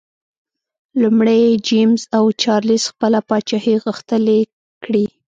لومړی جېمز او چارلېز خپله پاچاهي غښتلي کړي.